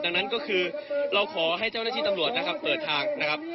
ดังนั้นก็คือเราขอให้เจ้าหน้าที่ตำรวจนะครับเปิดทางนะครับ